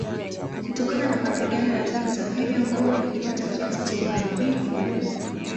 Kutokana na mapigano ya vita hivyo ngome ilipata kiasi cha uharibifu.